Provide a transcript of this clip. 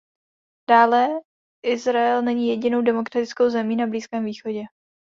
Dále, Izrael není jedinou demokratickou zemí na Blízkém východě.